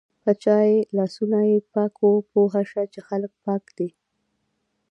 که چای ګلاسونه یی پاک و پوهه شه چی خلک پاک دی